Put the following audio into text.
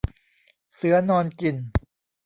เสือนอนกิน